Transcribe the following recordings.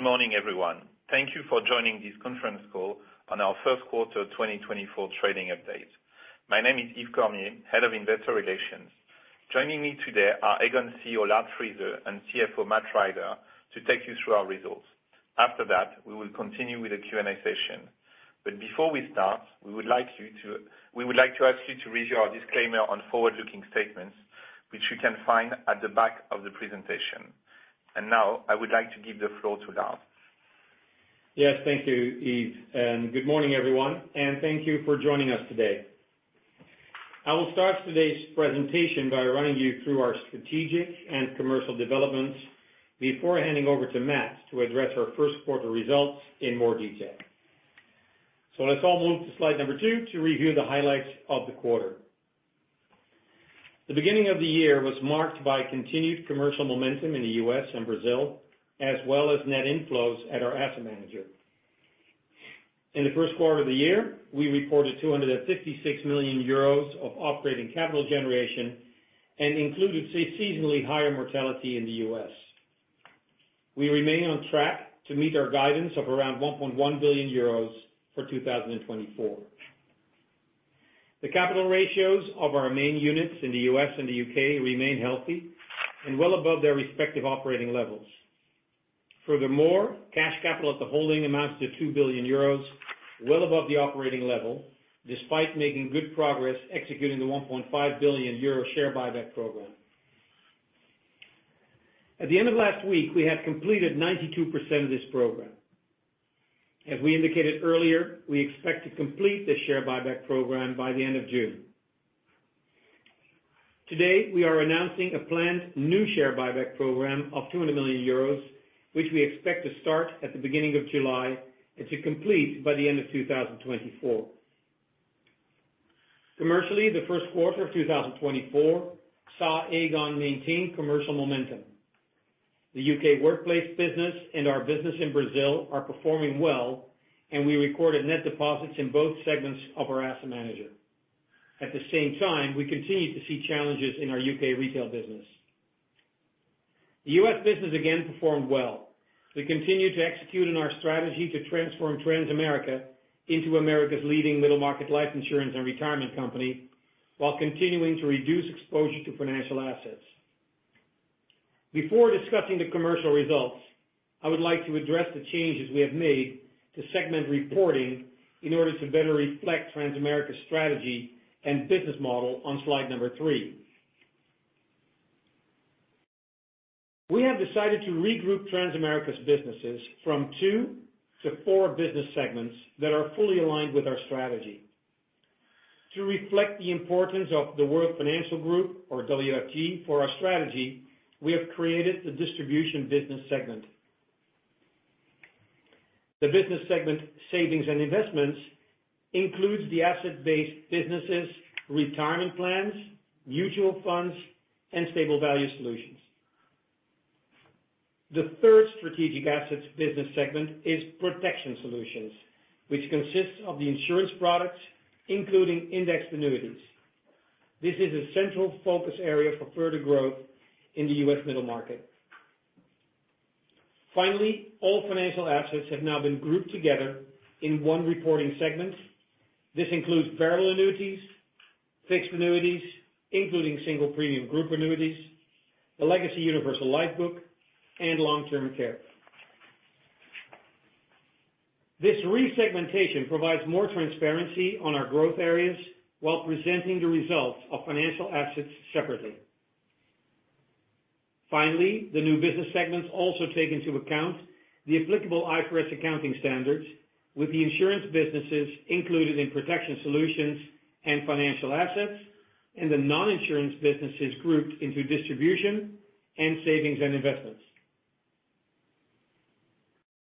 Good morning, everyone. Thank you for joining this conference call on our First Quarter 2024 Trading Update. My name is Yves Cormier, head of Investor Relations. Joining me today are Aegon CEO Lard Friese and CFO Matt Rider to take you through our results. After that, we will continue with a Q&A session. But before we start, we would like to ask you to review our disclaimer on forward-looking statements, which you can find at the back of the presentation. Now I would like to give the floor to Lard. Yes, thank you, Yves. Good morning, everyone, and thank you for joining us today. I will start today's presentation by running you through our strategic and commercial developments before handing over to Matt to address our first quarter results in more detail. Let's all move to Slide 2 to review the highlights of the quarter. The beginning of the year was marked by continued commercial momentum in the U.S. and Brazil, as well as net inflows at our asset manager. In the first quarter of the year, we reported 256 million euros of operating capital generation and included seasonally higher mortality in the U.S. We remain on track to meet our guidance of around 1.1 billion euros for 2024. The capital ratios of our main units in the U.S. and the U.K. remain healthy and well above their respective operating levels. Furthermore, cash capital at the holding amounts to 2 billion euros, well above the operating level, despite making good progress executing the 1.5 billion euro share buyback program. At the end of last week, we had completed 92% of this program. As we indicated earlier, we expect to complete this share buyback program by the end of June. Today, we are announcing a planned new share buyback program of 200 million euros, which we expect to start at the beginning of July and to complete by the end of 2024. Commercially, the first quarter of 2024 saw Aegon maintain commercial momentum. The U.K. workplace business and our business in Brazil are performing well, and we recorded net deposits in both segments of our asset manager. At the same time, we continue to see challenges in our U.K. retail business. The U.S. business again performed well. We continue to execute on our strategy to transform Transamerica into America's leading middle-market life insurance and retirement company while continuing to reduce exposure to Financial Assets. Before discussing the commercial results, I would like to address the changes we have made to segment reporting in order to better reflect Transamerica's strategy and business model on Slide 3. We have decided to regroup Transamerica's businesses from two to four business segments that are fully aligned with our strategy. To reflect the importance of the World Financial Group, or WFG, for our strategy, we have created the distribution business segment. The business segment Savings and Investments includes the asset-based businesses, retirement plans, mutual funds, and stable value solutions. The third Strategic Assets business segment is Protection Solutions, which consists of the insurance products including indexed annuities. This is a central focus area for further growth in the U.S. middle market. Finally, all Financial Assets have now been grouped together in one reporting segment. This includes variable annuities, fixed annuities including single premium group annuities, the legacy universal life book, and long-term care. This resegmentation provides more transparency on our growth areas while presenting the results of Financial Assets separately. Finally, the new business segments also take into account the applicable IFRS accounting standards, with the insurance businesses included in Protection Solutions and Financial Assets and the non-insurance businesses grouped into Distribution and Savings and Investments.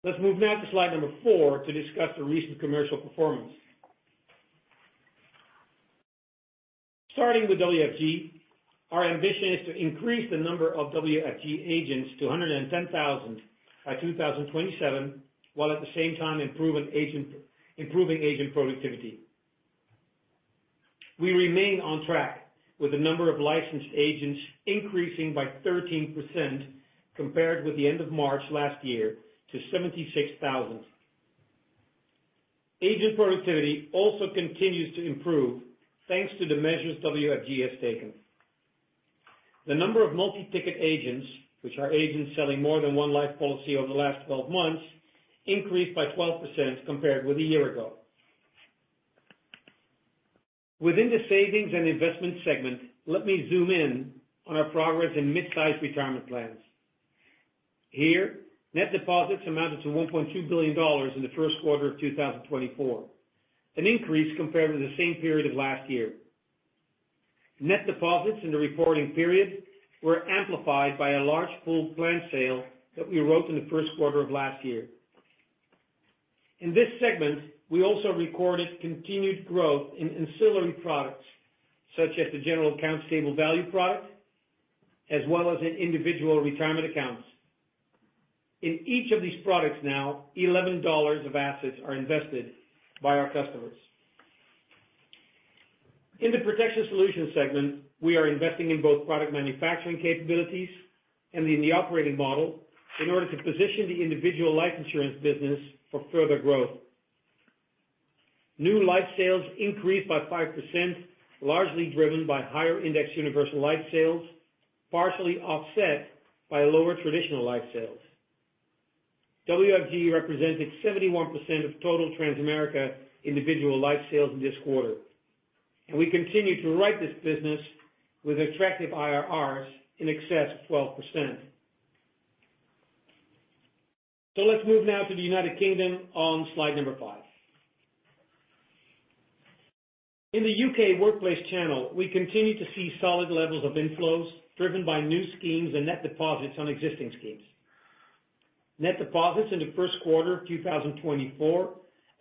Let's move now to Slide 4 to discuss the recent commercial performance. Starting with WFG, our ambition is to increase the number of WFG agents to 110,000 by 2027 while at the same time improving agent productivity. We remain on track, with the number of licensed agents increasing by 13% compared with the end of March last year to 76,000. Agent productivity also continues to improve thanks to the measures WFG has taken. The number of multi-ticket agents, which are agents selling more than one life policy over the last 12 months, increased by 12% compared with a year ago. Within the Savings and Investments segment, let me zoom in on our progress in midsize retirement plans. Here, net deposits amounted to $1.2 billion in the first quarter of 2024, an increase compared with the same period of last year. Net deposits in the reporting period were amplified by a large pooled plan sale that we wrote in the first quarter of last year. In this segment, we also recorded continued growth in ancillary products such as the General Account Stable Value Product, as well as in individual retirement accounts. In each of these products now, $11 of assets are invested by our customers. In the Protection Solutions segment, we are investing in both product manufacturing capabilities and in the operating model in order to position the individual life insurance business for further growth. New life sales increased by 5%, largely driven by higher indexed universal life sales, partially offset by lower traditional life sales. WFG represented 71% of total Transamerica individual life sales in this quarter, and we continue to right this business with attractive IRRs in excess of 12%. So let's move now to the United Kingdom on Slide 5. In the U.K. workplace channel, we continue to see solid levels of inflows driven by new schemes and net deposits on existing schemes. Net deposits in the first quarter of 2024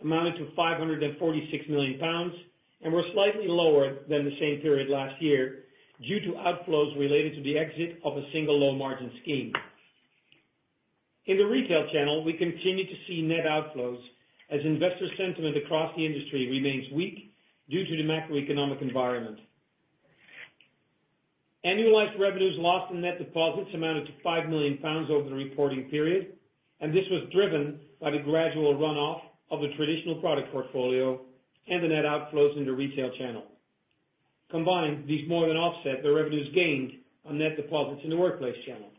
amounted to 546 million pounds and were slightly lower than the same period last year due to outflows related to the exit of a single low-margin scheme. In the retail channel, we continue to see net outflows as investor sentiment across the industry remains weak due to the macroeconomic environment. Annualized revenues lost in net deposits amounted to 5 million pounds over the reporting period, and this was driven by the gradual runoff of the traditional product portfolio and the net outflows in the retail channel. Combined, these more than offset the revenues gained on net deposits in the workplace channel.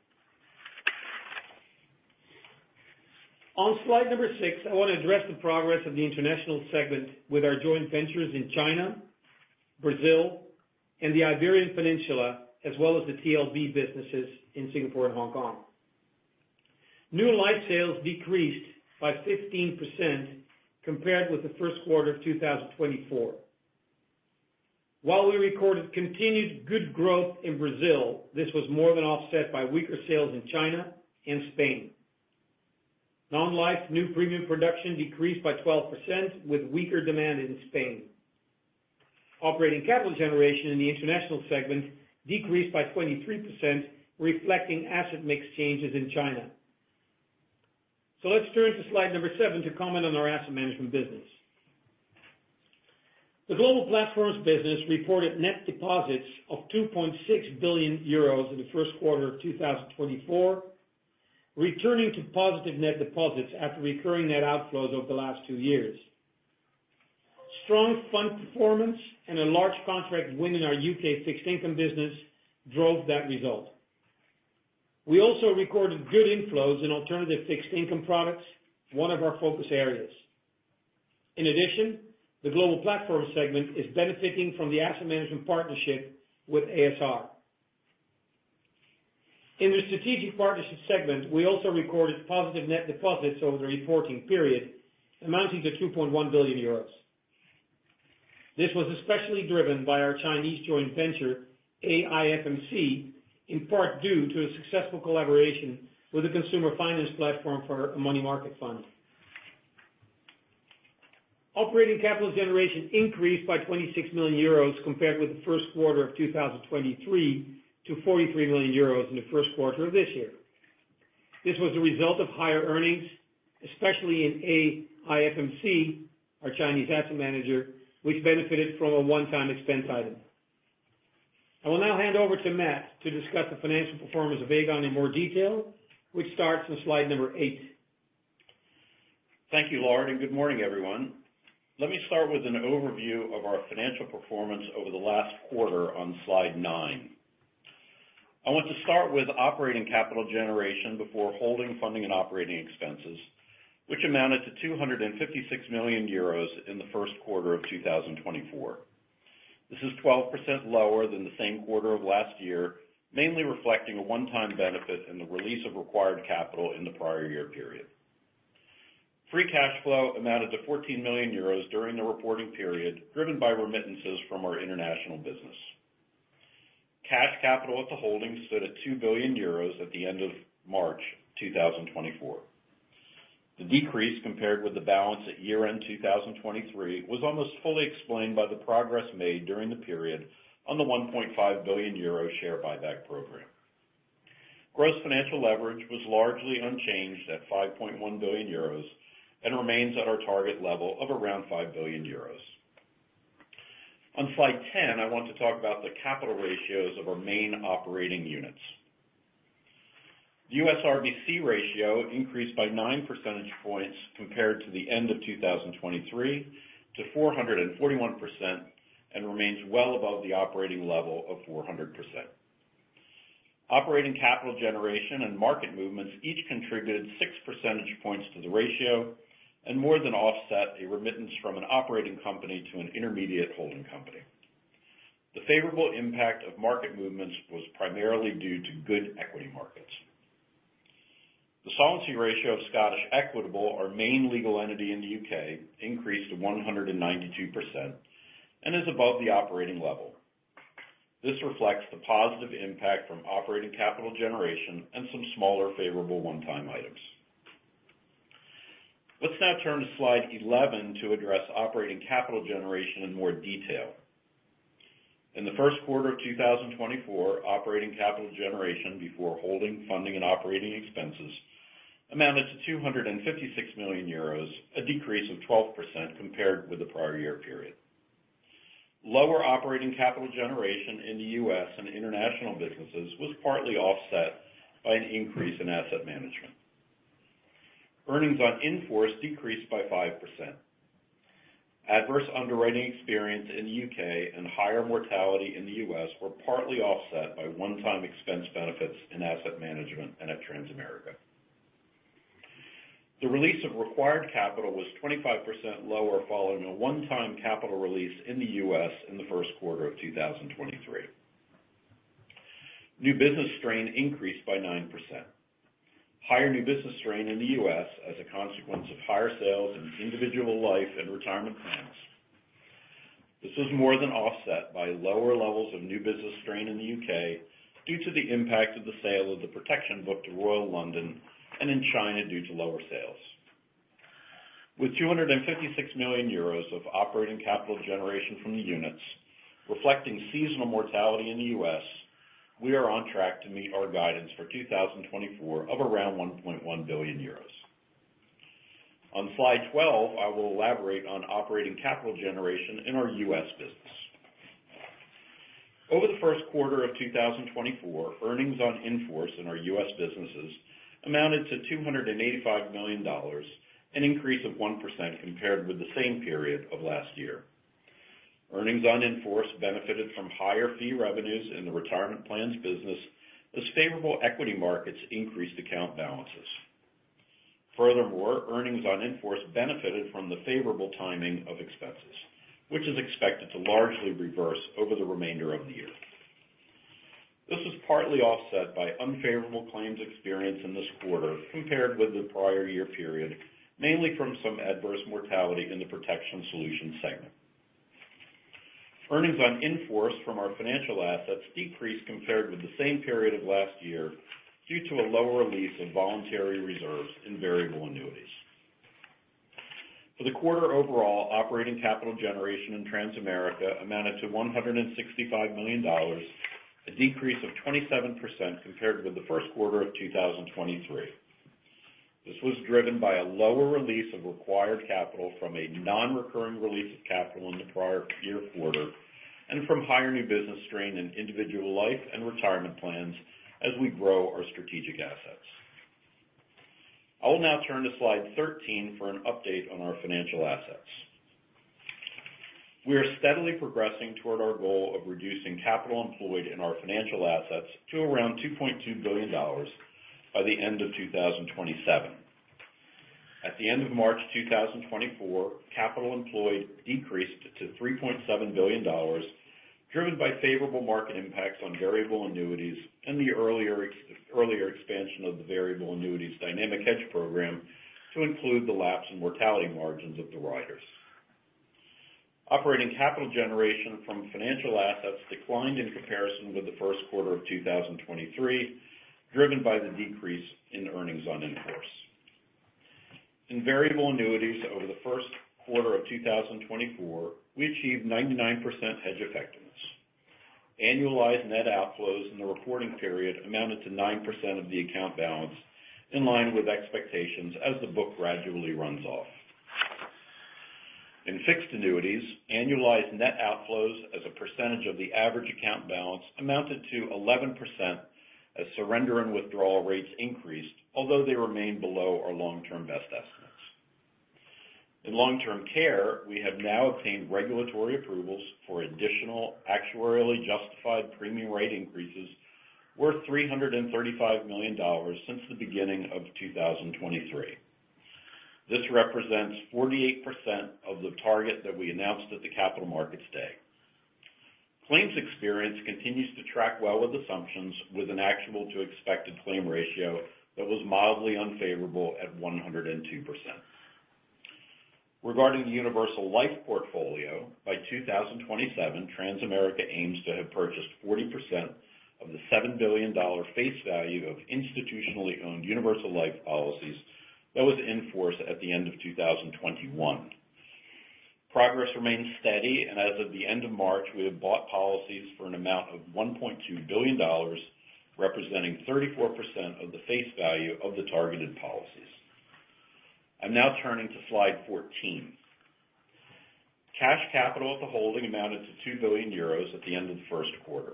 On Slide 6, I want to address the progress of the international segment with our joint ventures in China, Brazil, and the Iberian Peninsula, as well as the TLB businesses in Singapore and Hong Kong. New life sales decreased by 15% compared with the first quarter of 2024. While we recorded continued good growth in Brazil, this was more than offset by weaker sales in China and Spain. Non-life new premium production decreased by 12% with weaker demand in Spain. Operating capital generation in the international segment decreased by 23%, reflecting asset mix changes in China. Let's turn to Slide 7 to comment on our asset management business. The Global Platforms business reported net deposits of 2.6 billion euros in the first quarter of 2024, returning to positive net deposits after recurring net outflows over the last 2 years. Strong fund performance and a large contract win in our U.K. fixed income business drove that result. We also recorded good inflows in alternative fixed income products, one of our focus areas. In addition, the Global Platforms segment is benefiting from the asset management partnership with ASR. In the Strategic Partnerships segment, we also recorded positive net deposits over the reporting period, amounting to 2.1 billion euros. This was especially driven by our Chinese joint venture, AIFMC, in part due to a successful collaboration with the consumer finance platform for a money market fund. Operating capital generation increased by 26 million euros compared with the first quarter of 2023 to 43 million euros in the first quarter of this year. This was the result of higher earnings, especially in AIFMC, our Chinese asset manager, which benefited from a one-time expense item. I will now hand over to Matt to discuss the financial performance of Aegon in more detail, which starts on Slide 8. Thank you, Lard, and good morning, everyone. Let me start with an overview of our financial performance over the last quarter on Slide 9. I want to start with operating capital generation before holding funding and operating expenses, which amounted to 256 million euros in the first quarter of 2024. This is 12% lower than the same quarter of last year, mainly reflecting a one-time benefit in the release of required capital in the prior year period. Free cash flow amounted to 14 million euros during the reporting period, driven by remittances from our international business. Cash capital at the holding stood at 2 billion euros at the end of March 2024. The decrease compared with the balance at year-end 2023 was almost fully explained by the progress made during the period on the 1.5 billion euro share buyback program. Gross financial leverage was largely unchanged at 5.1 billion euros and remains at our target level of around 5 billion euros. On Slide 10, I want to talk about the capital ratios of our main operating units. The U.S. RBC ratio increased by 9 percentage points compared to the end of 2023 to 441% and remains well above the operating level of 400%. Operating capital generation and market movements each contributed 6 percentage points to the ratio and more than offset a remittance from an operating company to an intermediate holding company. The favorable impact of market movements was primarily due to good equity markets. The solvency ratio of Scottish Equitable, our main legal entity in the U.K., increased to 192% and is above the operating level. This reflects the positive impact from operating capital generation and some smaller favorable one-time items. Let's now turn to Slide 11 to address operating capital generation in more detail. In the first quarter of 2024, operating capital generation before holding, funding, and operating expenses amounted to 256 million euros, a decrease of 12% compared with the prior year period. Lower operating capital generation in the U.S. and international businesses was partly offset by an increase in asset management. Earnings on inforce decreased by 5%. Adverse underwriting experience in the U.K. and higher mortality in the U.S. were partly offset by one-time expense benefits in asset management and at Transamerica. The release of required capital was 25% lower following a one-time capital release in the U.S. in the first quarter of 2023. New business strain increased by 9%. Higher new business strain in the U.S. as a consequence of higher sales in individual life and retirement plans. This was more than offset by lower levels of new business strain in the U.K. due to the impact of the sale of the protection book to Royal London and in China due to lower sales. With 256 million euros of operating capital generation from the units, reflecting seasonal mortality in the U.S., we are on track to meet our guidance for 2024 of around 1.1 billion euros. On Slide 12, I will elaborate on operating capital generation in our U.S. business. Over the first quarter of 2024, earnings on inforce in our U.S. businesses amounted to $285 million, an increase of 1% compared with the same period of last year. Earnings on inforce benefited from higher fee revenues in the retirement plans business as favorable equity markets increased account balances. Furthermore, earnings on inforce benefited from the favorable timing of expenses, which is expected to largely reverse over the remainder of the year. This was partly offset by unfavorable claims experience in this quarter compared with the prior year period, mainly from some adverse mortality in the Protection Solutions segment. Earnings on inforce from our Financial Assets decreased compared with the same period of last year due to a lower release of voluntary reserves in variable annuities. For the quarter overall, operating capital generation in Transamerica amounted to $165 million, a decrease of 27% compared with the first quarter of 2023. This was driven by a lower release of required capital from a non-recurring release of capital in the prior year quarter and from higher new business strain in individual life and retirement plans as we grow our Strategic Assets. I will now turn to Slide 13 for an update on our Financial Assets. We are steadily progressing toward our goal of reducing capital employed in our Financial Assets to around $2.2 billion by the end of 2027. At the end of March 2024, capital employed decreased to $3.7 billion, driven by favorable market impacts on variable annuities and the earlier expansion of the variable annuities dynamic hedge program to include the lapse in mortality margins of the riders. Operating capital generation from FinancialAssets declined in comparison with the first quarter of 2023, driven by the decrease in earnings on inforce. In variable annuities over the first quarter of 2024, we achieved 99% hedge effectiveness. Annualized net outflows in the reporting period amounted to 9% of the account balance, in line with expectations as the book gradually runs off. In fixed annuities, annualized net outflows as a percentage of the average account balance amounted to 11% as surrender and withdrawal rates increased, although they remain below our long-term best estimates. In long-term care, we have now obtained regulatory approvals for additional actuarially justified premium rate increases worth $335 million since the beginning of 2023. This represents 48% of the target that we announced at the Capital Markets Day. Claims experience continues to track well with assumptions, with an actual to expected claim ratio that was mildly unfavorable at 102%. Regarding the Universal Life portfolio, by 2027, Transamerica aims to have purchased 40% of the $7 billion face value of institutionally owned Universal Life policies that was in force at the end of 2021. Progress remains steady, and as of the end of March, we have bought policies for an amount of $1.2 billion, representing 34% of the face value of the targeted policies. I'm now turning to Slide 14. Cash capital at the holding amounted to 2 billion euros at the end of the first quarter.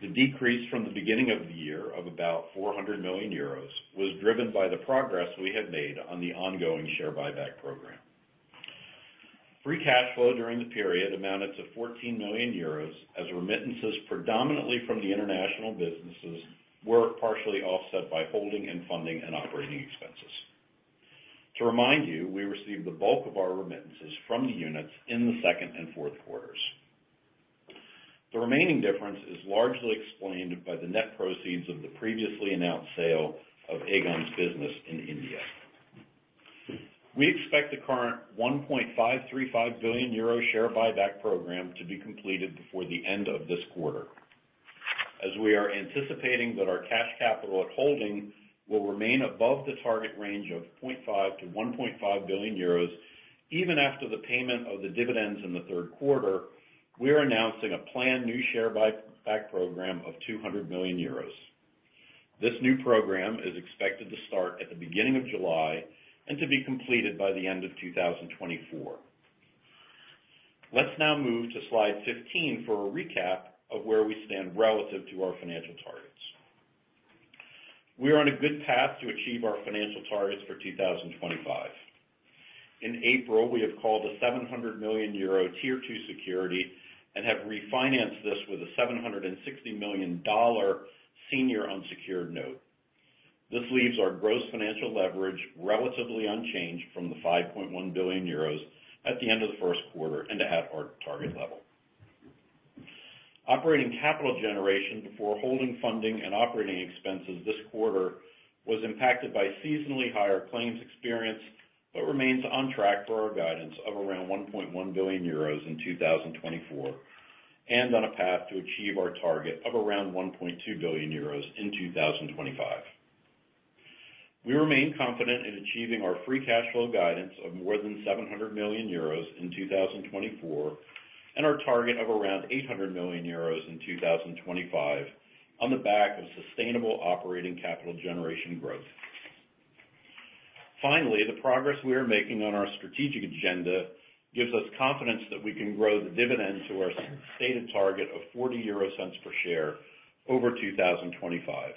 The decrease from the beginning of the year of about 400 million euros was driven by the progress we had made on the ongoing share buyback program. Free cash flow during the period amounted to 14 million euros as remittances, predominantly from the international businesses, were partially offset by holding and funding and operating expenses. To remind you, we received the bulk of our remittances from the units in the second and fourth quarters. The remaining difference is largely explained by the net proceeds of the previously announced sale of Aegon's business in India. We expect the current 1.535 billion euro share buyback program to be completed before the end of this quarter, as we are anticipating that our cash capital at holding will remain above the target range of 0.5 billion-1.5 billion euros. Even after the payment of the dividends in the third quarter, we are announcing a planned new share buyback program of 200 million euros. This new program is expected to start at the beginning of July and to be completed by the end of 2024. Let's now move to Slide 15 for a recap of where we stand relative to our financial targets. We are on a good path to achieve our financial targets for 2025. In April, we have called a 700 million euro Tier 2 security and have refinanced this with a $760 million senior unsecured note. This leaves our gross financial leverage relatively unchanged from the 5.1 billion euros at the end of the first quarter and at our target level. Operating capital generation before holding funding and operating expenses this quarter was impacted by seasonally higher claims experience but remains on track for our guidance of around 1.1 billion euros in 2024 and on a path to achieve our target of around 1.2 billion euros in 2025. We remain confident in achieving our free cash flow guidance of more than 700 million euros in 2024 and our target of around 800 million euros in 2025 on the back of sustainable operating capital generation growth. Finally, the progress we are making on our strategic agenda gives us confidence that we can grow the dividend to our stated target of 0.40 per share over 2025.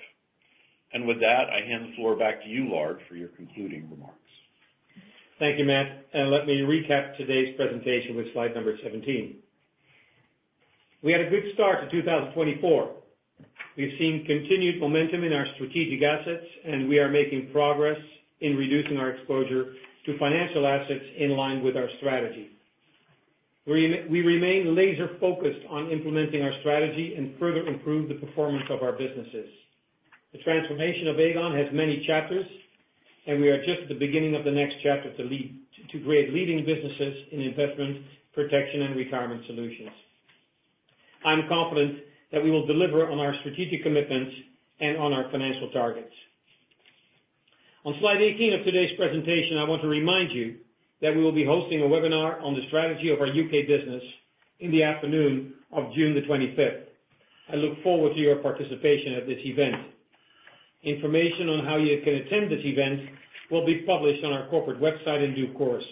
And with that, I hand the floor back to you, Lard, for your concluding remarks. Thank you, Matt. Let me recap today's presentation with Slide 17. We had a good start to 2024. We have seen continued momentum in our Strategic Assets, and we are making progress in reducing our exposure to Financial Assets in line with our strategy. We remain laser-focused on implementing our strategy and further improve the performance of our businesses. The transformation of Aegon has many chapters, and we are just at the beginning of the next chapter to lead to create leading businesses in investment, protection, and retirement solutions. I'm confident that we will deliver on our strategic commitments and on our financial targets. On Slide 18 of today's presentation, I want to remind you that we will be hosting a webinar on the strategy of our U.K. business in the afternoon of June the 25th. I look forward to your participation at this event. Information on how you can attend this event will be published on our corporate website in due course.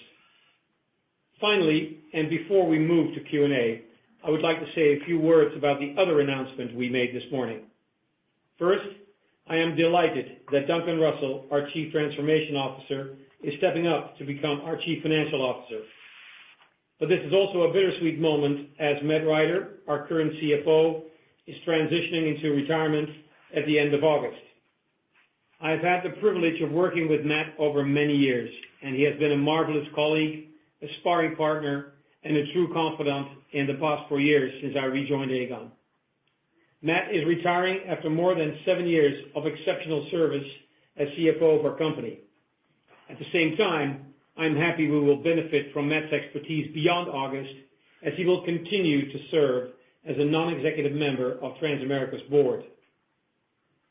Finally, and before we move to Q&A, I would like to say a few words about the other announcement we made this morning. First, I am delighted that Duncan Russell, our Chief Transformation Officer, is stepping up to become our Chief Financial Officer. But this is also a bittersweet moment as Matt Rider, our current CFO, is transitioning into retirement at the end of August. I have had the privilege of working with Matt over many years, and he has been a marvelous colleague, a sparring partner, and a true confidant in the past four years since I rejoined Aegon. Matt is retiring after more than seven years of exceptional service as CFO of our company. At the same time, I'm happy we will benefit from Matt's expertise beyond August as he will continue to serve as a non-executive member of Transamerica's board.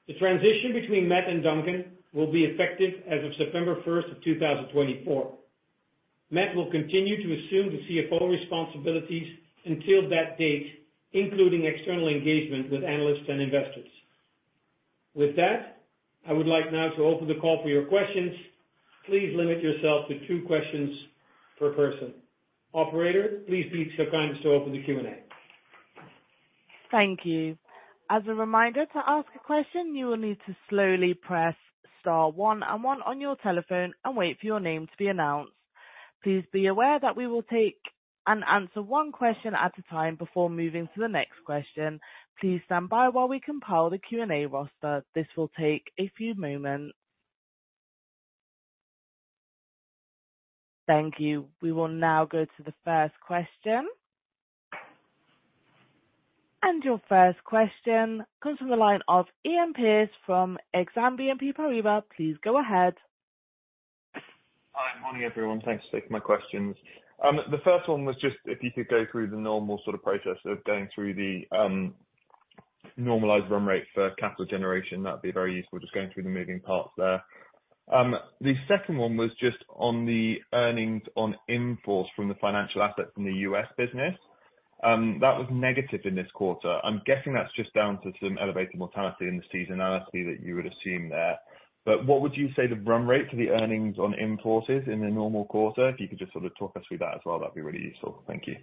The transition between Matt and Duncan will be effective as of September first of 2024. Matt will continue to assume the CFO responsibilities until that date, including external engagement with analysts and investors. With that, I would like now to open the call for your questions. Please limit yourself to two questions per person. Operator, please be so kind as to open the Q&A. Thank you. As a reminder, to ask a question, you will need to slowly press star one and one on your telephone and wait for your name to be announced. Please be aware that we will take and answer one question at a time before moving to the next question. Please stand by while we compile the Q&A roster. This will take a few moments. Thank you. We will now go to the first question. And your first question comes from the line of Iain Pearce from Exane BNP Paribas. Please go ahead. Hi. Morning, everyone. Thanks for taking my questions. The first one was just if you could go through the normal sort of process of going through the, normalized run rate for capital generation. That'd be very useful, just going through the moving parts there. The second one was just on the earnings on inforce from the Financial Assets in the U.S. business. That was negative in this quarter. I'm guessing that's just down to some elevated mortality and the seasonality that you would assume there. But what would you say the run rate for the earnings on inforce is in a normal quarter? If you could just sort of talk us through that as well, that'd be really useful. Thank you.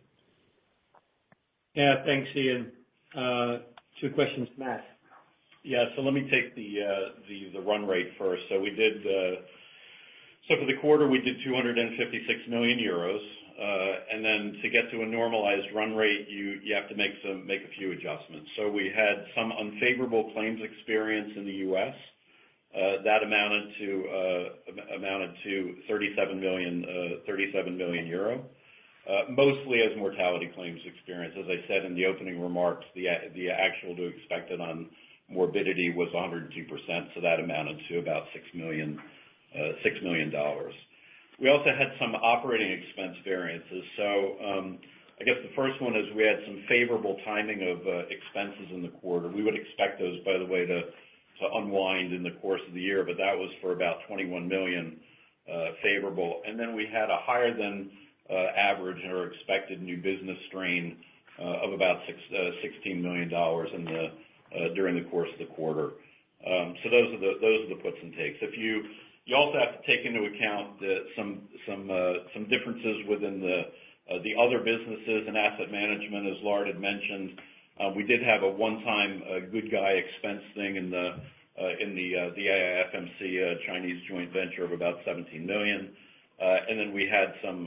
Yeah. Thanks, Iain. Two questions, Matt. Yeah. So let me take the run rate first. So for the quarter, we did 256 million euros. And then to get to a normalized run rate, you have to make a few adjustments. So we had some unfavorable claims experience in the U.S. that amounted to 37 million euro, mostly as mortality claims experience. As I said in the opening remarks, the actual to expected on morbidity was 102%, so that amounted to about $6 million. We also had some operating expense variances. So, I guess the first one is we had some favorable timing of expenses in the quarter. We would expect those, by the way, to unwind in the course of the year, but that was for about $21 million, favorable. And then we had a higher than average in our expected new business strain of about $16 million in the during the course of the quarter. So those are the puts and takes. If you also have to take into account that some differences within the other businesses and asset management, as Lard had mentioned. We did have a one-time good guy expense thing in the AIFMC Chinese joint venture of about $17 million. And then we had some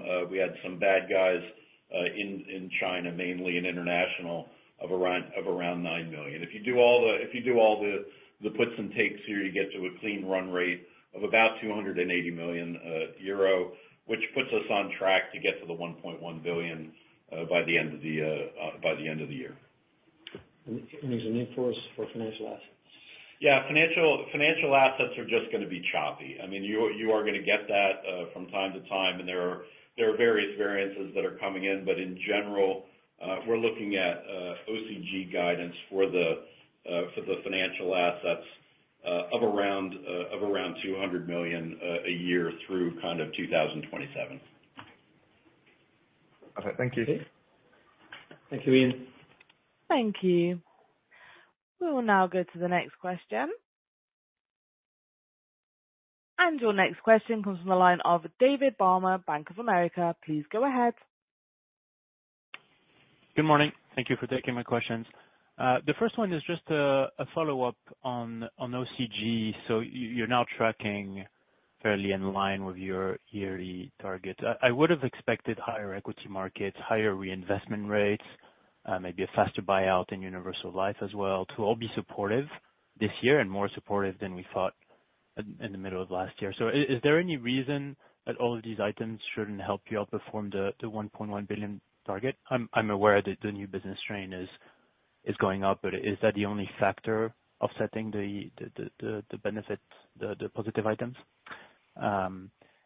bad guys in China, mainly and international, of around $9 million. If you do all the puts and takes here, you get to a clean run rate of about 280 million, euro, which puts us on track to get to the $1.1 billion by the end of the year. Is an in-force for Financial Assets? Yeah. Financial assets are just going to be choppy. I mean, you are going to get that, from time to time, and there are various variances that are coming in. But in general, we're looking at OCG guidance for the Financial Assets of around $200 million a year through kind of 2027. Okay. Thank you. Thank you, Iain. Thank you. We will now go to the next question. Your next question comes from the line of David Palmer, Bank of America. Please go ahead. Good morning. Thank you for taking my questions. The first one is just a, a follow-up on, on OCG. So you're now tracking fairly in line with your yearly target. I, I would have expected higher equity markets, higher reinvestment rates, maybe a faster buyout in Universal Life as well to all be supportive this year and more supportive than we thought in, in the middle of last year. So is, is there any reason that all of these items shouldn't help you outperform the, the $1.1 billion target? I'm, I'm aware that the new business strain is, is going up, but is that the only factor offsetting the, the, the, the, the benefits, the, the positive items?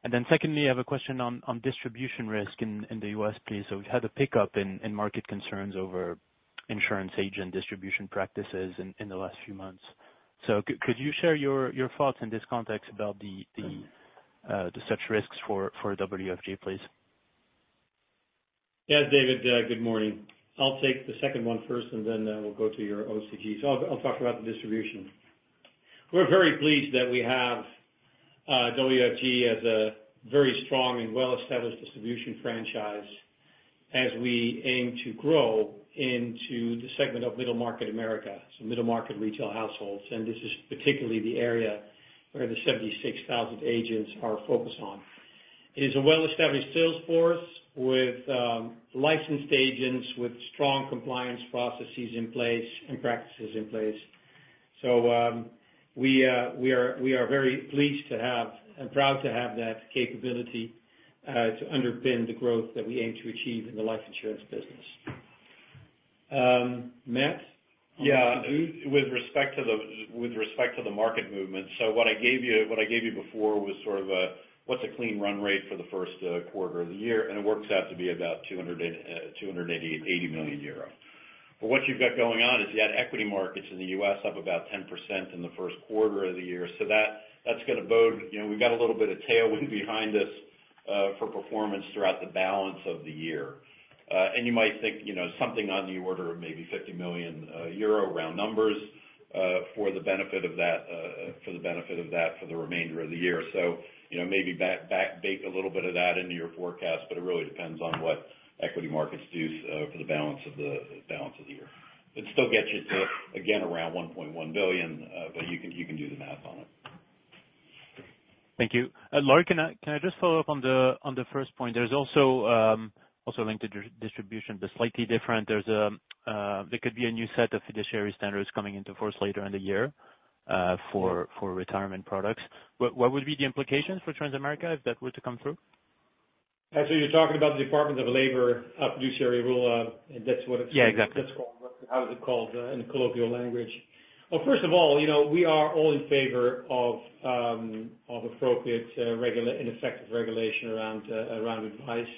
And then secondly, I have a question on, on distribution risk in, in the U.S., please. So we've had a pickup in market concerns over insurance agent distribution practices in the last few months. So could you share your thoughts in this context about the such risks for WFG, please? Yes, David. Good morning. I'll take the second one first, and then we'll go to your OCG. So I'll talk about the distribution. We're very pleased that we have WFG as a very strong and well-established distribution franchise as we aim to grow into the segment of middle market America, so middle market retail households. And this is particularly the area where the 76,000 agents are focused on. It is a well-established sales force with licensed agents with strong compliance processes in place and practices in place. So we are very pleased to have and proud to have that capability to underpin the growth that we aim to achieve in the life insurance business. Matt? Yeah. With respect to the market movement, so what I gave you before was sort of what's a clean run rate for the first quarter of the year, and it works out to be about 280 million euros. But what you've got going on is you had equity markets in the U.S. up about 10% in the first quarter of the year. So that, that's going to bode you know, we've got a little bit of tailwind behind us, for performance throughout the balance of the year. And you might think, you know, something on the order of maybe 50 million, euro round numbers, for the benefit of that for the remainder of the year. So, you know, maybe bake a little bit of that into your forecast, but it really depends on what equity markets do, for the balance of the year. It still gets you to, again, around $1.1 billion, but you can do the math on it. Thank you. Lard, can I just follow up on the first point? There's also linked to distribution, but slightly different. There could be a new set of fiduciary standards coming into force later in the year, for retirement products. What would be the implications for Transamerica if that were to come through? Actually, you're talking about the Department of Labor fiduciary rule, and that's what it's called. Yeah, exactly. That's called how is it called, in colloquial language? Well, first of all, you know, we are all in favor of, of appropriate, regulation and effective regulation around, around advice.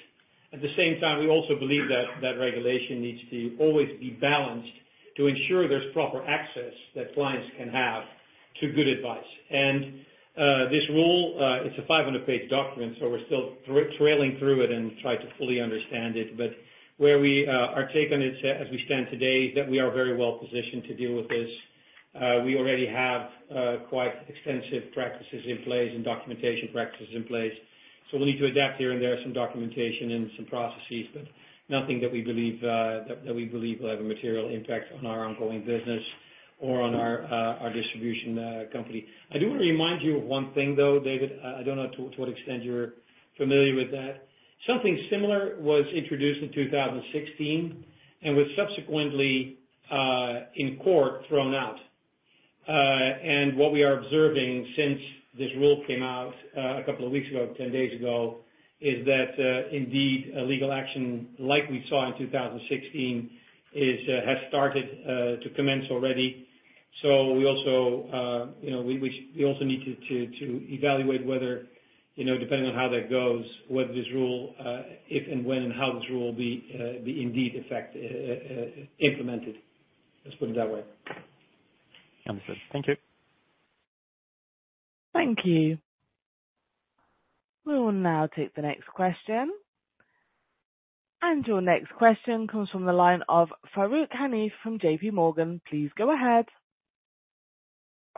At the same time, we also believe that that regulation needs to always be balanced to ensure there's proper access that clients can have to good advice. And, this rule, it's a 500-page document, so we're still trawling through it and try to fully understand it. But as we take it as it stands today is that we are very well positioned to deal with this. We already have, quite extensive practices in place and documentation practices in place. So we'll need to adapt here and there some documentation and some processes, but nothing that we believe, that that we believe will have a material impact on our ongoing business or on our, our distribution company. I do want to remind you of one thing, though, David. I don't know to, to what extent you're familiar with that. Something similar was introduced in 2016 and was subsequently, in court, thrown out. And what we are observing since this rule came out, a couple of weeks ago, 10 days ago, is that, indeed, a legal action like we saw in 2016 is, has started, to commence already. So we also, you know, we, we also need to, to, to evaluate whether, you know, depending on how that goes, whether this rule, if and when and how this rule will be, be indeed effective, implemented. Let's put it that way. Understood. Thank you. Thank you. We will now take the next question. Your next question comes from the line of Farooq Hanif from J.P. Morgan. Please go ahead.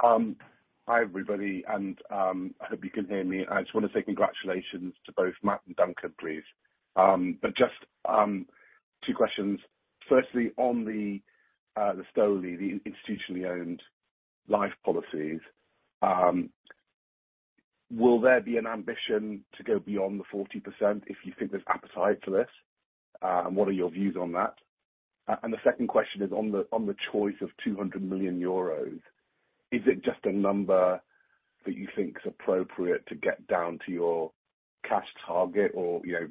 Hi, everybody. I hope you can hear me. I just want to say congratulations to both Matt and Duncan, please. But just two questions. Firstly, on the STOLI, the institutionally owned life policies, will there be an ambition to go beyond the 40% if you think there's appetite for this? What are your views on that? And the second question is on the choice of 200 million euros, is it just a number that you think's appropriate to get down to your cash target, or, you know,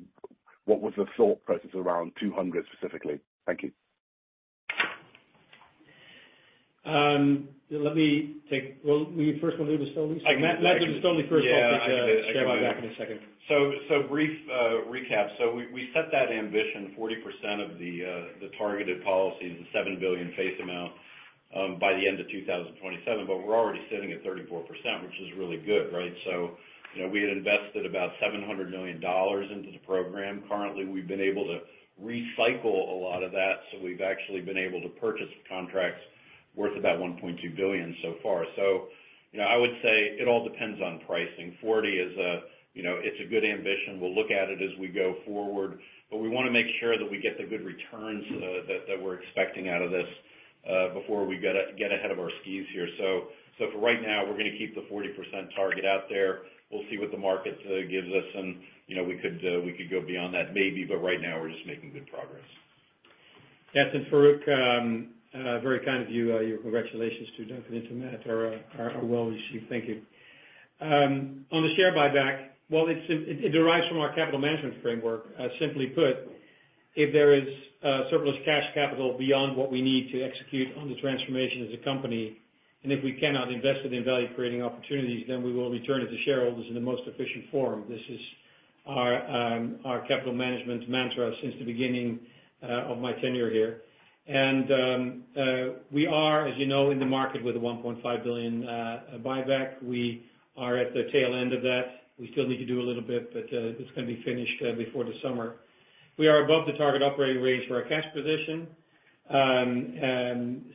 what was the thought process around 200 specifically? Thank you. Well, we first want to do the STOLI? Matt, Matt, do the STOLI first. I'll take a step back in a second. So, brief recap. So we set that ambition, 40% of the targeted policies, the $7 billion face amount, by the end of 2027, but we're already sitting at 34%, which is really good, right? So, you know, we had invested about $700 million into the program. Currently, we've been able to recycle a lot of that, so we've actually been able to purchase contracts worth about $1.2 billion so far. So, you know, I would say it all depends on pricing. 40 is a you know, it's a good ambition. We'll look at it as we go forward, but we want to make sure that we get the good returns that we're expecting out of this, before we get ahead of our skis here. So, for right now, we're going to keep the 40% target out there. We'll see what the market gives us, and, you know, we could, we could go beyond that maybe, but right now, we're just making good progress. Yes. And Farooq, very kind of you. Your congratulations to Duncan and to Matt are well-received. Thank you. On the share buyback, well, it derives from our capital management framework. Simply put, if there is surplus cash capital beyond what we need to execute on the transformation as a company, and if we cannot invest it in value-creating opportunities, then we will return it to shareholders in the most efficient form. This is our capital management mantra since the beginning of my tenure here. And we are, as you know, in the market with a $1.5 billion buyback. We are at the tail end of that. We still need to do a little bit, but it's going to be finished before the summer. We are above the target operating range for our cash position.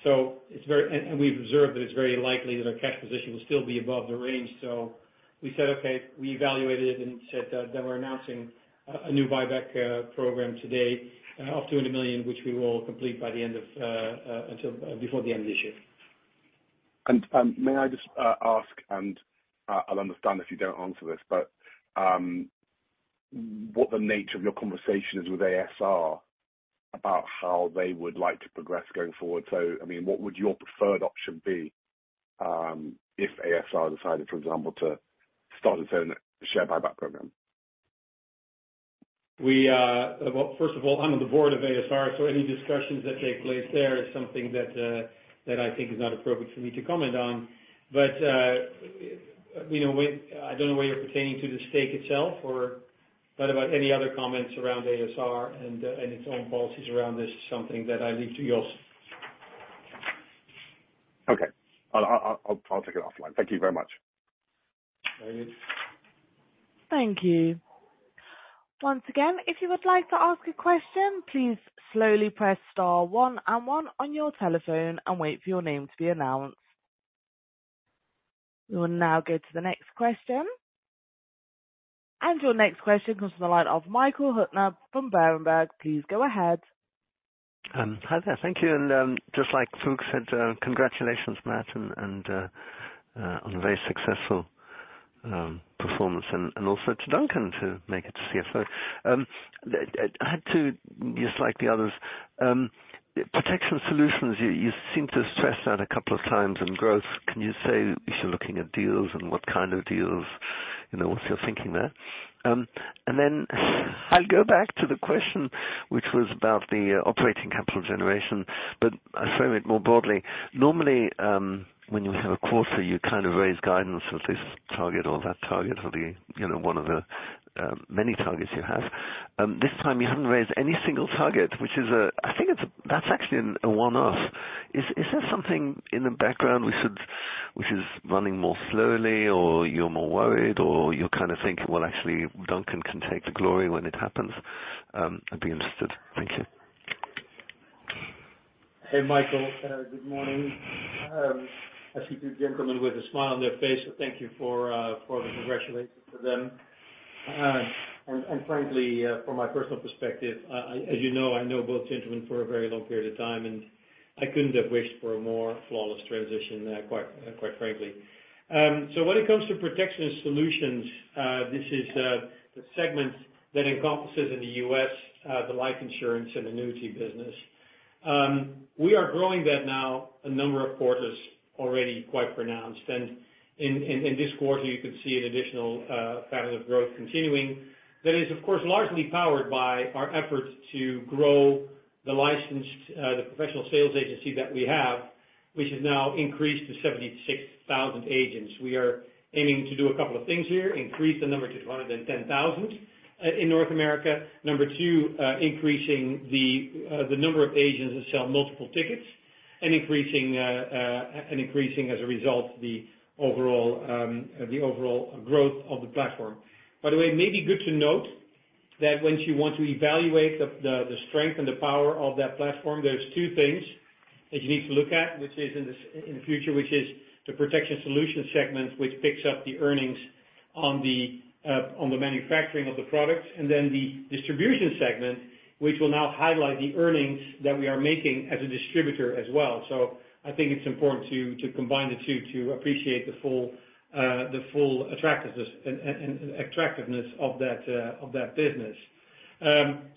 So we've observed that it's very likely that our cash position will still be above the range. We said, "Okay." We evaluated it and said that we're announcing a new buyback program today of $200 million, which we will complete by the end of this year. May I just ask, and I'll understand if you don't answer this, but what the nature of your conversation is with ASR about how they would like to progress going forward? So, I mean, what would your preferred option be, if ASR decided, for example, to start its own share buyback program? Well, first of all, I'm on the board of ASR, so any discussions that take place there is something that I think is not appropriate for me to comment on. But, you know, when I don't know whether you're pertaining to the stake itself or what about any other comments around ASR and its own policies around this. It's something that I leave to you all. Okay. I'll take it offline. Thank you very much. Very good. Thank you. Once again, if you would like to ask a question, please slowly press star one and one on your telephone and wait for your name to be announced. We will now go to the next question. Your next question comes from the line of Michael Huttner from Berenberg. Please go ahead. Hi there. Thank you. And just like Farooq said, congratulations, Matt, and on a very successful performance. And also to Duncan to make it to CFO. I have to just like the others, Protection Solutions. You seem to have stressed out a couple of times and growth. Can you say if you're looking at deals and what kind of deals? You know, what's your thinking there? And then I'll go back to the question, which was about the operating capital generation, but I'll frame it more broadly. Normally, when you have a quarter, you kind of raise guidance with this target or that target or the, you know, one of the many targets you have. This time, you haven't raised any single target, which is a I think it's a that's actually a one-off. Is there something in the background we should which is running more slowly, or you're more worried, or you're kind of thinking, "Well, actually, Duncan can take the glory when it happens"? I'd be interested. Thank you. Hey, Michael. Good morning. I see two gentlemen with a smile on their face, so thank you for the congratulations to them. And frankly, from my personal perspective, I, as you know, I know both gentlemen for a very long period of time, and I couldn't have wished for a more flawless transition there, quite, quite frankly. So when it comes to Protection Solutions, this is the segment that encompasses in the U.S. the life insurance and annuity business. We are growing that now a number of quarters already quite pronounced. And in this quarter, you can see an additional pattern of growth continuing that is, of course, largely powered by our efforts to grow the licensed, the professional sales agency that we have, which has now increased to 76,000 agents. We are aiming to do a couple of things here: increase the number to 210,000 in North America; number two, increasing the number of agents that sell multiple tickets and increasing, as a result, the overall growth of the platform. By the way, maybe good to note that once you want to evaluate the strength and the power of that platform, there's two things that you need to look at, which in the future is the Protection Solutions segment, which picks up the earnings on the manufacturing of the products, and then the distribution segment, which will now highlight the earnings that we are making as a distributor as well. So I think it's important to combine the two to appreciate the full attractiveness and attractiveness of that business.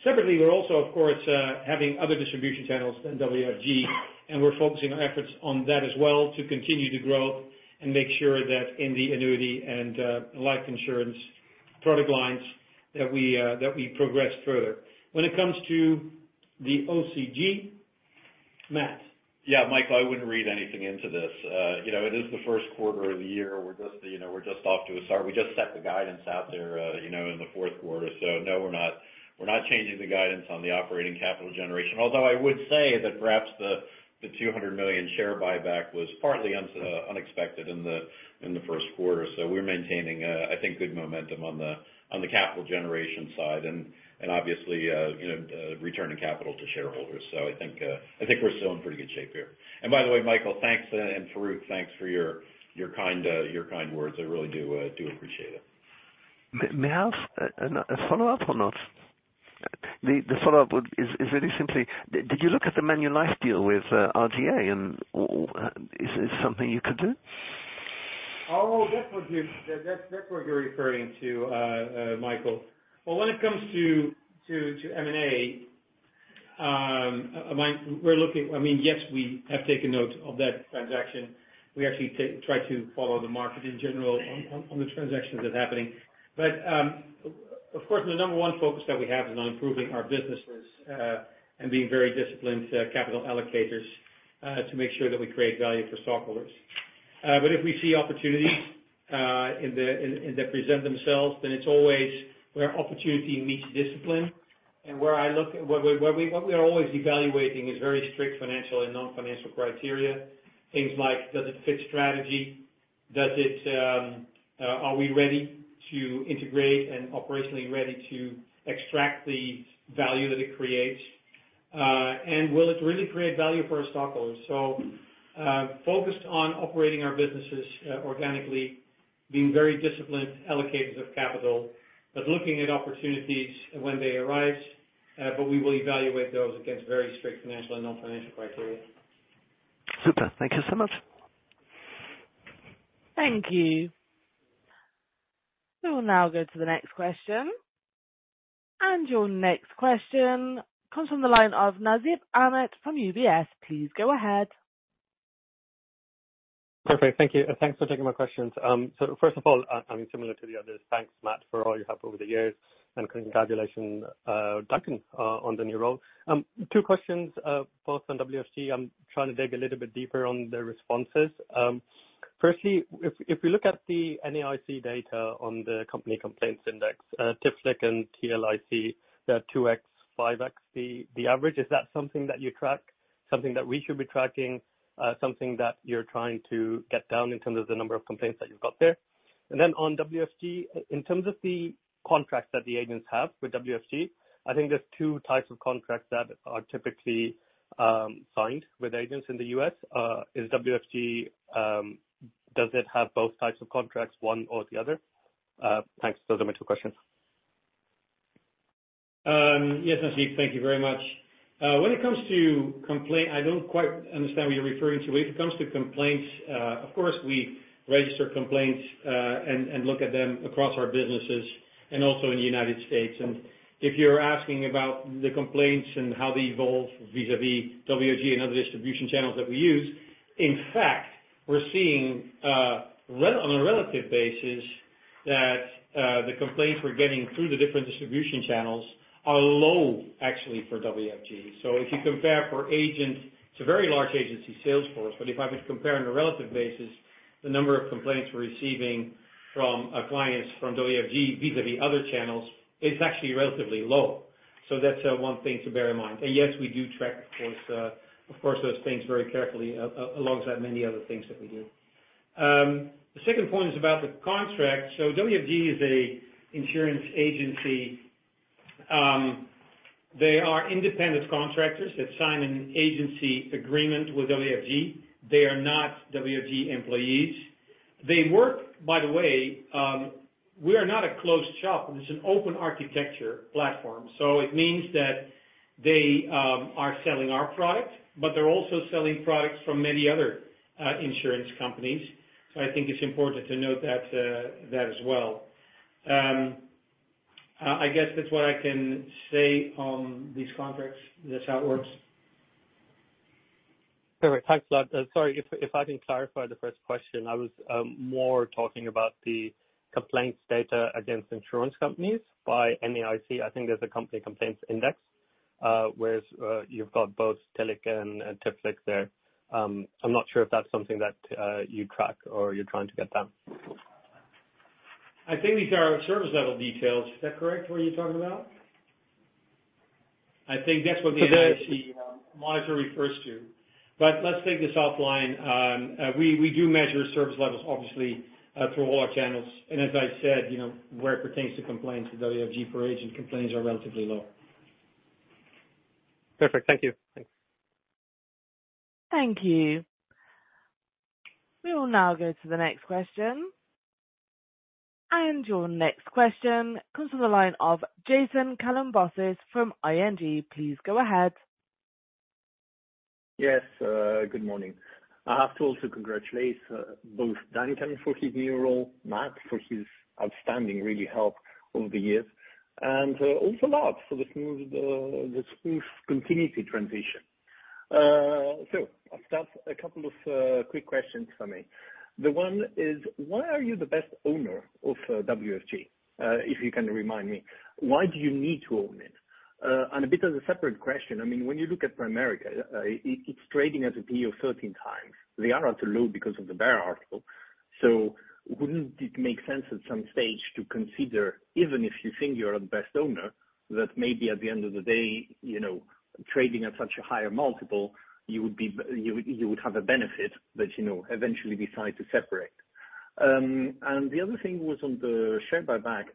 Separately, we're also, of course, having other distribution channels than WFG, and we're focusing our efforts on that as well to continue the growth and make sure that in the annuity and life insurance product lines that we progress further. When it comes to the OCG, Matt. Yeah, Michael, I wouldn't read anything into this. You know, it is the first quarter of the year. We're just, you know, off to a start. We just set the guidance out there, you know, in the fourth quarter. So no, we're not changing the guidance on the operating capital generation, although I would say that perhaps the $200 million share buyback was partly unexpected in the first quarter. So we're maintaining, I think, good momentum on the capital generation side and obviously, you know, returning capital to shareholders. So I think we're still in pretty good shape here. And by the way, Michael, thanks, and Farooq, thanks for your kind words. I really do appreciate it. May I ask a follow-up or not? The follow-up is very simply: did you look at the Manulife deal with RGA, and is something you could do? Oh, that's what you're referring to, Michael. Well, when it comes to M&A, we're looking. I mean, yes, we have taken note of that transaction. We actually try to follow the market in general on the transactions that are happening. But, of course, the number one focus that we have is on improving our businesses, and being very disciplined capital allocators, to make sure that we create value for stockholders. But if we see opportunities in that present themselves, then it's always where opportunity meets discipline. And where I look at what we are always evaluating is very strict financial and non-financial criteria, things like, does it fit strategy? Does it, are we ready to integrate and operationally ready to extract the value that it creates? and will it really create value for our stockholders? So, focused on operating our businesses, organically, being very disciplined allocators of capital, but looking at opportunities when they arise, but we will evaluate those against very strict financial and non-financial criteria. Super. Thank you so much. Thank you. We will now go to the next question. Your next question comes from the line of Nasib Ahmed from UBS. Please go ahead. Perfect. Thank you. Thanks for taking my questions. So first of all, I mean, similar to the others, thanks, Matt, for all you have over the years, and congratulations, Duncan, on the new role. Two questions, both on WFG. I'm trying to dig a little bit deeper on their responses. Firstly, if we look at the NAIC data on the company complaints index, TIFLIC and TLIC, they're 2x, 5x the average. Is that something that you track, something that we should be tracking, something that you're trying to get down in terms of the number of complaints that you've got there? And then on WFG, in terms of the contracts that the agents have with WFG, I think there's two types of contracts that are typically signed with agents in the U.S., is WFG, does it have both types of contracts, one or the other? Thanks. Those are my two questions. Yes, Nasib. Thank you very much. When it comes to complaints, I don't quite understand what you're referring to. When it comes to complaints, of course, we register complaints, and, and look at them across our businesses and also in the United States. If you're asking about the complaints and how they evolve vis-à-vis WFG and other distribution channels that we use, in fact, we're seeing, on a relative basis that, the complaints we're getting through the different distribution channels are low, actually, for WFG. So if you compare for agents it's a very large agency, sales force, but if I would compare on a relative basis, the number of complaints we're receiving from, clients from WFG vis-à-vis other channels, it's actually relatively low. So that's, one thing to bear in mind. Yes, we do track, of course, of course, those things very carefully, alongside many other things that we do. The second point is about the contracts. WFG is an insurance agency. They are independent contractors that sign an agency agreement with WFG. They are not WFG employees. They work. By the way, we are not a closed shop. It's an open architecture platform. So it means that they are selling our product, but they're also selling products from many other insurance companies. So I think it's important to note that, that as well. I guess that's what I can say on these contracts. That's how it works. Perfect. Thanks a lot. Sorry, if I can clarify the first question, I was more talking about the complaints data against insurance companies by NAIC. I think there's a company complaints index, whereas you've got both TILIC and TIFLIC there. I'm not sure if that's something that you track or you're trying to get down. I think these are service-level details. Is that correct, what you're talking about? I think that's what the NAIC monitor refers to. But let's take this offline. We do measure service levels, obviously, through all our channels. And as I said, you know, where it pertains to complaints with WFG per agent, complaints are relatively low. Perfect. Thank you. Thank you. We will now go to the next question. Your next question comes from the line of Jason Kalamboussis from ING. Please go ahead. Yes. Good morning. I have to also congratulate both Duncan for his new role, Matt for his outstanding, really, help over the years, and also Lard for the smooth continuity transition. So I'll start a couple of quick questions for me. The one is, why are you the best owner of WFG, if you can remind me? Why do you need to own it? And a bit as a separate question, I mean, when you look at Primerica, it's trading at a P/E of 13x. They are at a low because of the Bear article. So wouldn't it make sense at some stage to consider, even if you think you're the best owner, that maybe at the end of the day, you know, trading at such a higher multiple, you would have a benefit that, you know, eventually decide to separate? The other thing was on the share buyback.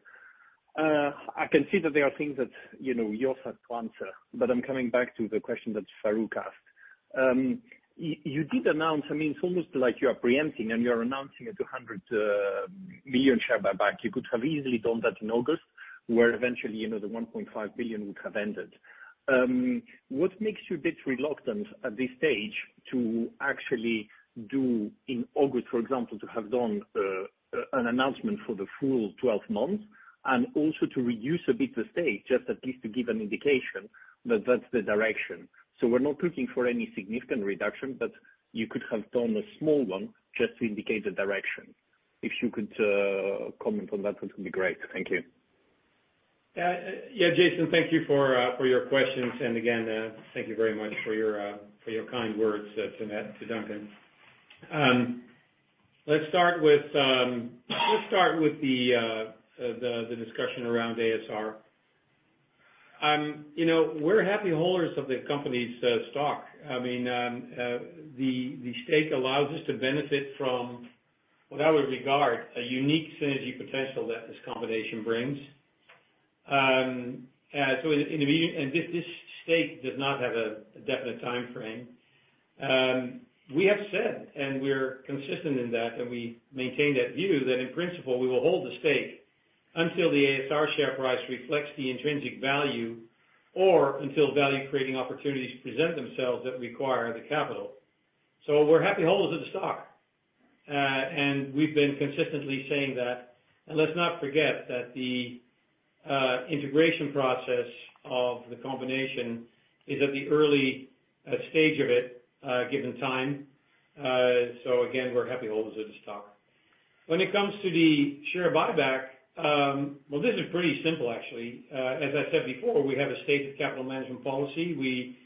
I can see that there are things that, you know, you also have to answer, but I'm coming back to the question that Farooq asked. You did announce I mean, it's almost like you are preempting, and you are announcing a 200 million share buyback. You could have easily done that in August, where eventually, you know, the 1.5 billion would have ended. What makes you a bit reluctant at this stage to actually do in August, for example, to have done, an announcement for the full 12 months and also to reduce a bit the stake, just at least to give an indication that that's the direction? So we're not looking for any significant reduction, but you could have done a small one just to indicate the direction. If you could, comment on that, that would be great. Thank you. Yeah, yeah, Jason, thank you for your questions. And again, thank you very much for your kind words to Matt, to Duncan. Let's start with the discussion around ASR. You know, we're happy holders of the company's stock. I mean, the stake allows us to benefit from, without regard, a unique synergy potential that this combination brings. So in the immediate and this stake does not have a definite time frame. We have said, and we're consistent in that, and we maintain that view, that in principle, we will hold the stake until the ASR share price reflects the intrinsic value or until value-creating opportunities present themselves that require the capital. So we're happy holders of the stock. And we've been consistently saying that. And let's not forget that the integration process of the combination is at the early stage of it, given time. So again, we're happy holders of the stock. When it comes to the share buyback, well, this is pretty simple, actually. As I said before, we have a stated capital management policy. We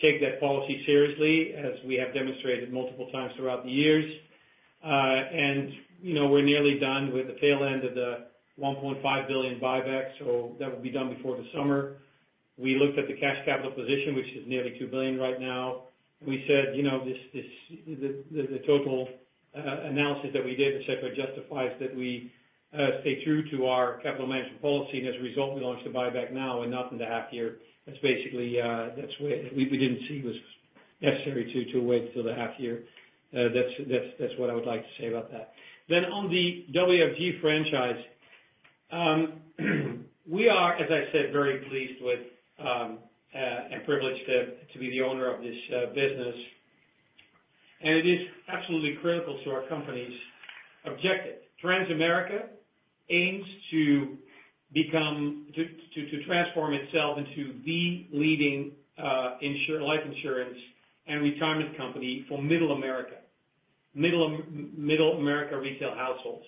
take that policy seriously, as we have demonstrated multiple times throughout the years. And, you know, we're nearly done with the tail end of the 1.5 billion buyback, so that will be done before the summer. We looked at the cash capital position, which is nearly 2 billion right now. We said, you know, this, the total analysis that we did, etc., justifies that we stay true to our capital management policy. And as a result, we launched a buyback now in nothing but a half year. That's basically what we didn't see was necessary to wait till the half year. That's what I would like to say about that. Then on the WFG franchise, we are, as I said, very pleased with and privileged to be the owner of this business. And it is absolutely critical to our company's objective. Transamerica aims to become to transform itself into the leading insurance life insurance and retirement company for Middle America retail households.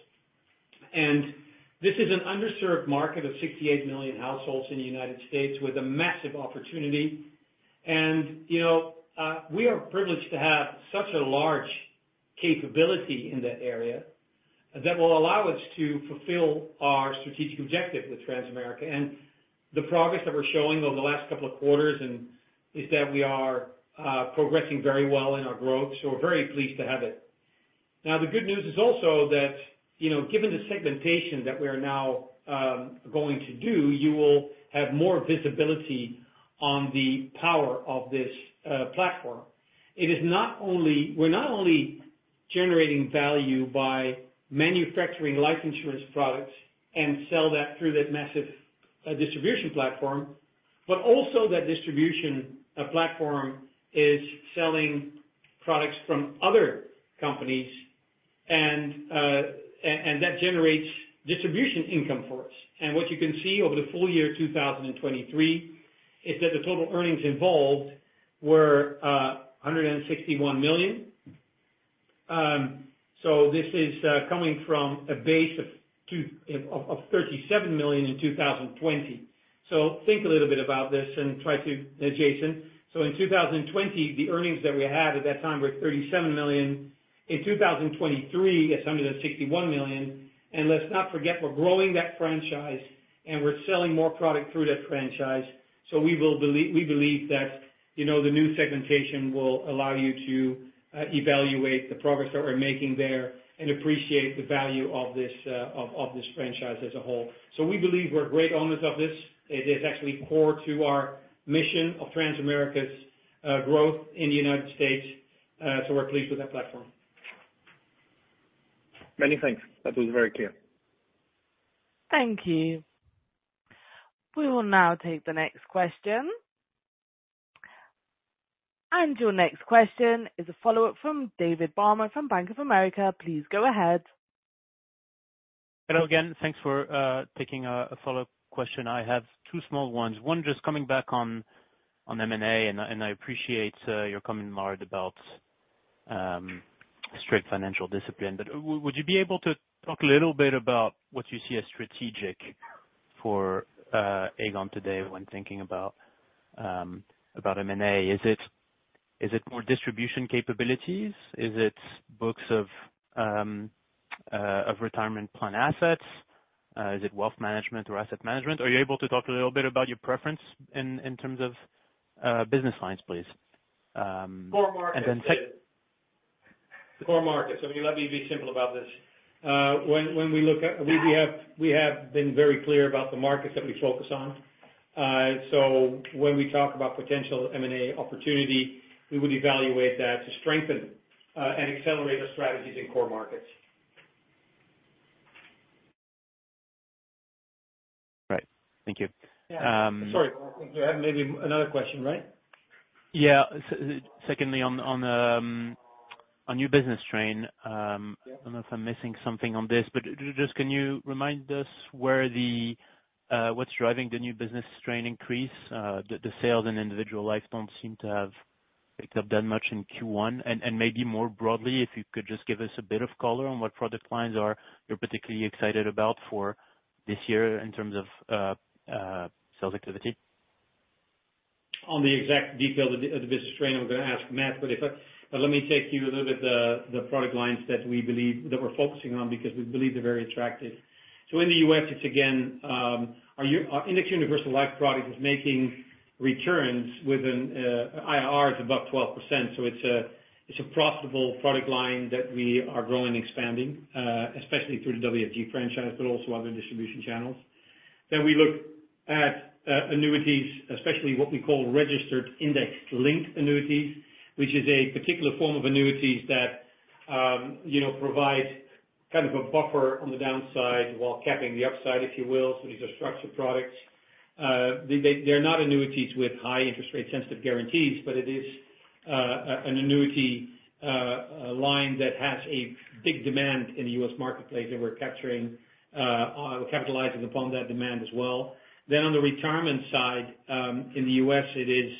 And, you know, we are privileged to have such a large capability in that area that will allow us to fulfill our strategic objective with Transamerica. The progress that we're showing over the last couple of quarters is that we are progressing very well in our growth, so we're very pleased to have it. Now, the good news is also that, you know, given the segmentation that we are now going to do, you will have more visibility on the power of this platform. It is not only we're not only generating value by manufacturing life insurance products and sell that through that massive distribution platform, but also that distribution platform is selling products from other companies. And that generates distribution income for us. And what you can see over the full year of 2023 is that the total earnings involved were 161 million. So this is coming from a base of 37 million in 2020. So think a little bit about this and try to—Jason. So in 2020, the earnings that we had at that time were $37 million. In 2023, it's $161 million. And let's not forget we're growing that franchise, and we're selling more product through that franchise. So we will believe we believe that, you know, the new segmentation will allow you to evaluate the progress that we're making there and appreciate the value of this, of, of this franchise as a whole. So we believe we're great owners of this. It is actually core to our mission of Transamerica's growth in the United States. So we're pleased with that platform. Many thanks. That was very clear. Thank you. We will now take the next question. Your next question is a follow-up from David Palmer from Bank of America. Please go ahead. Hello again. Thanks for taking a follow-up question. I have two small ones. One, just coming back on M&A, and I appreciate your comment, Lard, about strict financial discipline. But would you be able to talk a little bit about what you see as strategic for Aegon today when thinking about M&A? Is it more distribution capabilities? Is it books of retirement plan assets? Is it wealth management or asset management? Are you able to talk a little bit about your preference in terms of business lines, please? And then sec. Core markets. And then second. Core markets. I mean, let me be simple about this. When we look at, we have been very clear about the markets that we focus on. So when we talk about potential M&A opportunity, we would evaluate that to strengthen, and accelerate our strategies in core markets. Right. Thank you. Yeah. Sorry. I think you had maybe another question, right? Yeah. Secondly, on new business strain, I don't know if I'm missing something on this, but just can you remind us where the, what's driving the new business strain increase? The sales and individual life don't seem to have picked up that much in Q1. And maybe more broadly, if you could just give us a bit of color on what product lines you're particularly excited about for this year in terms of sales activity? On the exact detail of the business plan, I'm gonna ask Matt, but let me take you a little bit to the product lines that we believe that we're focusing on because we believe they're very attractive. So in the U.S., it's again our indexed universal life product is making returns with an IRR above 12%. So it's a profitable product line that we are growing and expanding, especially through the WFG franchise, but also other distribution channels. Then we look at annuities, especially what we call registered index-linked annuities, which is a particular form of annuities that, you know, provide kind of a buffer on the downside while capping the upside, if you will. So these are structured products. They're not annuities with high interest rate-sensitive guarantees, but it is an annuity line that has a big demand in the US marketplace, and we're capitalizing upon that demand as well. Then on the retirement side, in the US, it is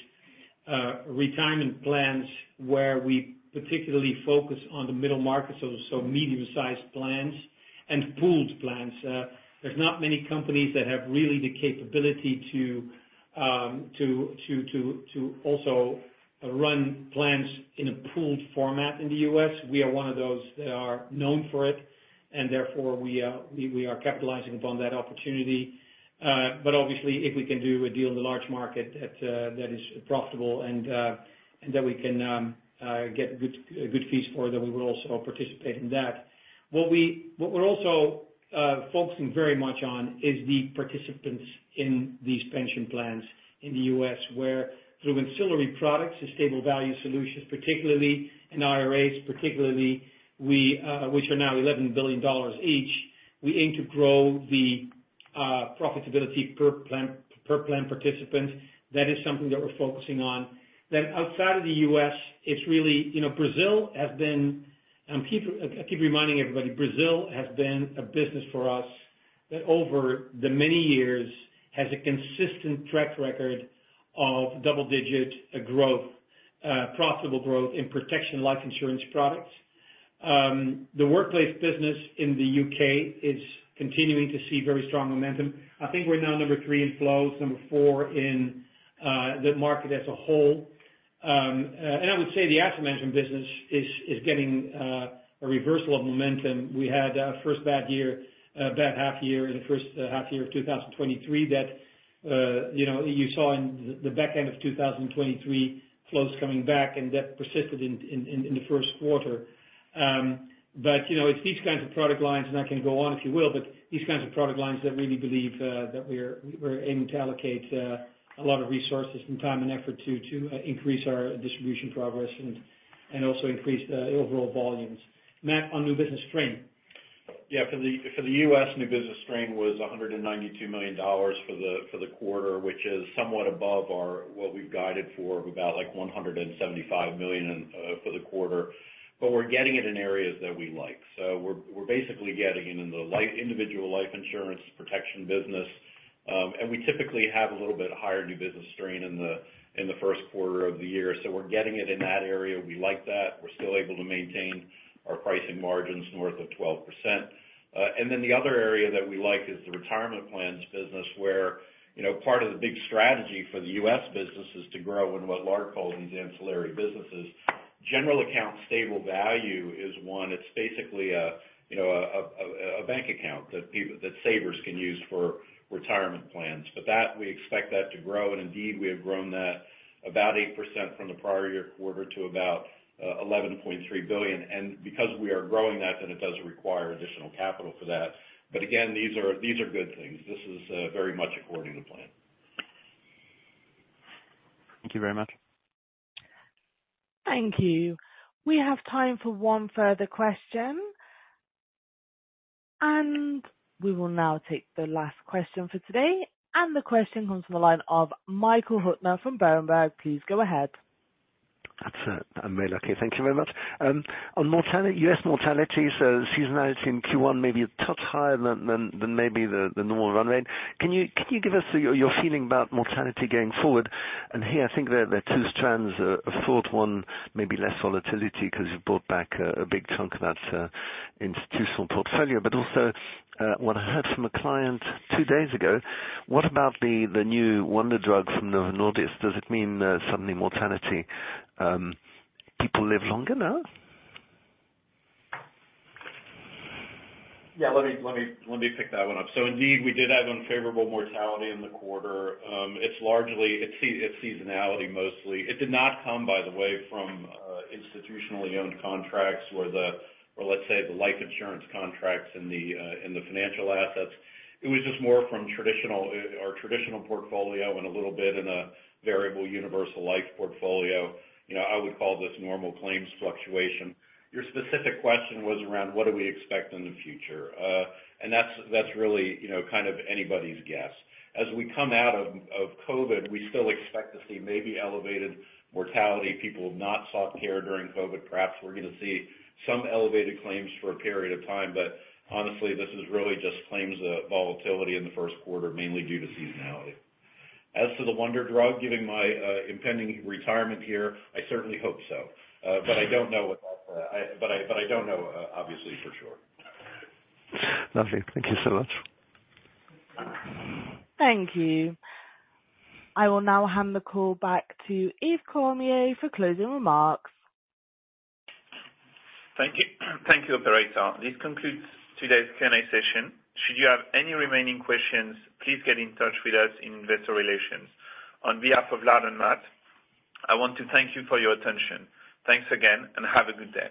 retirement plans where we particularly focus on the middle market, so medium-sized plans and pooled plans. There's not many companies that have really the capability to also run plans in a pooled format in the US. We are one of those that are known for it, and therefore, we are capitalizing upon that opportunity. But obviously, if we can do a deal in the large market that is profitable and that we can get good fees for it, then we would also participate in that. What we're also focusing very much on is the participants in these pension plans in the U.S., where through ancillary products, the stable value solutions, particularly in IRAs, particularly we, which are now $11 billion each, we aim to grow the profitability per plan per plan participant. That is something that we're focusing on. Then outside of the U.S., it's really, you know, Brazil has been—I keep reminding everybody—Brazil has been a business for us that over the many years has a consistent track record of double-digit growth, profitable growth in protection life insurance products. The workplace business in the U.K. is continuing to see very strong momentum. I think we're now number 3 in flows, number 4 in the market as a whole. And I would say the asset management business is getting a reversal of momentum. We had first bad year, bad half year in the first half year of 2023 that, you know, you saw in the back end of 2023 flows coming back, and that persisted in the first quarter. But you know it's these kinds of product lines and I can go on, if you will, but these kinds of product lines that really believe that we're aiming to allocate a lot of resources and time and effort to increase our distribution progress and also increase the overall volumes. Matt, on new business strain? Yeah. For the US, new business strain was $192 million for the quarter, which is somewhat above our what we've guided for of about, like, $175 million, for the quarter. But we're getting it in areas that we like. So we're, we're basically getting it in the life individual life insurance protection business. And we typically have a little bit higher new business strain in the first quarter of the year. So we're getting it in that area. We like that. We're still able to maintain our pricing margins north of 12%. And then the other area that we like is the retirement plans business where, you know, part of the big strategy for the US business is to grow in what Lard calls these ancillary businesses. General account stable value is one. It's basically, you know, a bank account that people, savers can use for retirement plans. But we expect that to grow. And indeed, we have grown that about 8% from the prior-year quarter to about $11.3 billion. And because we are growing that, it does require additional capital for that. But again, these are good things. This is very much according to plan. Thank you very much. Thank you. We have time for one further question. We will now take the last question for today. The question comes from the line of Michael Huttner from Berenberg. Please go ahead. That's it. I'm very lucky. Thank you very much. On mortality, U.S. mortality, so seasonality in Q1 maybe a touch higher than maybe the normal run rate. Can you give us your feeling about mortality going forward? And here, I think there are two strands of thought. One, maybe less volatility 'cause you've brought back a big chunk of that institutional portfolio. But also, what I heard from a client two days ago, what about the new wonder drug from Novo Nordisk? Does it mean suddenly mortality, people live longer now? Yeah. Let me pick that one up. So indeed, we did have unfavorable mortality in the quarter. It's largely, it's, see, it's seasonality mostly. It did not come, by the way, from institutionally owned contracts where, or, let's say, the life insurance contracts and the, and the Financial Assets. It was just more from traditional, our traditional portfolio and a little bit in a variable universal life portfolio. You know, I would call this normal claims fluctuation. Your specific question was around, what do we expect in the future? And that's, that's really, you know, kind of anybody's guess. As we come out of COVID, we still expect to see maybe elevated mortality. People have not sought care during COVID. Perhaps we're gonna see some elevated claims for a period of time. But honestly, this is really just claims volatility in the first quarter, mainly due to seasonality. As to the wonder drug, given my impending retirement here, I certainly hope so. But I don't know what that, but I don't know, obviously, for sure. Lovely. Thank you so much. Thank you. I will now hand the call back to Yves Cormier for closing remarks. Thank you. Thank you, operator. This concludes today's Q&A session. Should you have any remaining questions, please get in touch with us in investor relations. On behalf of Lard and Matt, I want to thank you for your attention. Thanks again, and have a good day.